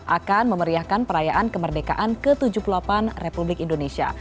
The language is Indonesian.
akan memeriahkan perayaan kemerdekaan ke tujuh puluh delapan republik indonesia